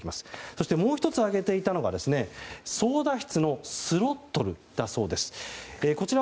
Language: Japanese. そしてもう１つ挙げていたのが操舵室のスロットルだそうです。